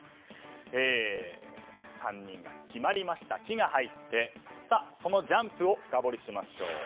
３人が決まりました「キ」が入ってそのジャンプを深掘りしましょう。